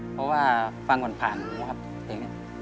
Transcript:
เพราะว่าฟังผ่านนะครับเพลงนี้